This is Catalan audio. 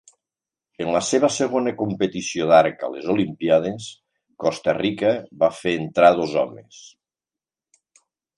En la seva segona competició d'arc a les Olimpíades, Costa Rica va fer entrar dos homes.